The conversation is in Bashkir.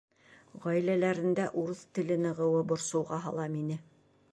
Ғаиләләрендә урыҫ теле нығыныуы борсоуға һала мине.